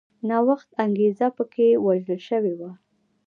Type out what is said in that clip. نوښت انګېزه په کې وژل شوې وه